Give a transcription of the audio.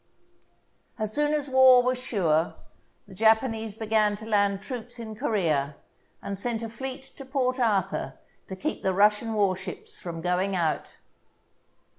As soon as war was sure, the Japanese began to land troops in Corea and sent a fleet to Port Ar thur to keep the Russian warships from going out.